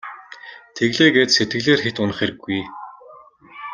Тэглээ гээд сэтгэлээр хэт унах хэрэггүй.